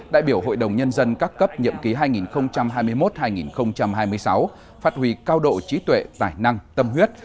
đại biểu hội đồng nhân dân các cấp nhiệm ký hai nghìn hai mươi một hai nghìn hai mươi sáu phát huy cao độ trí tuệ tài năng tâm huyết